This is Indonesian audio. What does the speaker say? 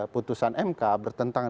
putusan mk bertentangan